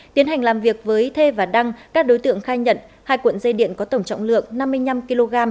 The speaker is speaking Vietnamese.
tiến hành làm việc với thê và đăng các đối tượng khai nhận hai cuộn dây điện có tổng trọng lượng năm mươi năm kg